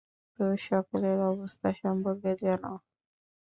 তো সকলের অবস্থা সম্পর্কে জানাও।